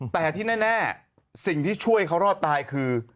แต่ที่แน่สิ่งที่ช่วยเขารอดตายคือ